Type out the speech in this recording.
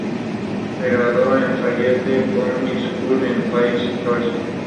La sala de videoteca y fonoteca está especializada de consulta de materiales en video.